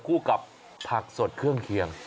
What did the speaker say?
คู่กับผักสดเครื่องเคียง